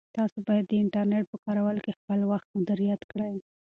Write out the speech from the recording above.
تاسو باید د انټرنیټ په کارولو کې خپل وخت مدیریت کړئ.